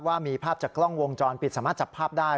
ว่ามีภาพจากกล้องวงจรปิดสามารถจับภาพได้